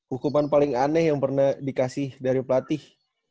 hukuman paling aneh yang pernah dikasih dari pelatih